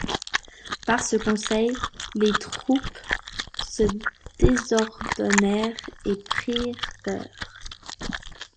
Par ce conseil, les troupes se désordonnèrent et prirent peur.